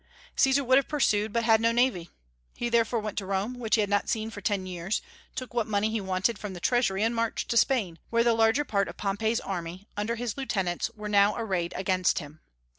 Caesar would have pursued, but had no navy. He therefore went to Rome, which he had not seen for ten years, took what money he wanted from the treasury, and marched to Spain, where the larger part of Pompey's army, under his lieutenants, were now arrayed against him.